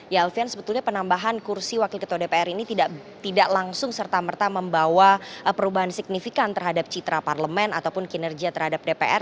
ya alfian sebetulnya penambahan kursi wakil ketua dpr ini tidak langsung serta merta membawa perubahan signifikan terhadap citra parlemen ataupun kinerja terhadap dpr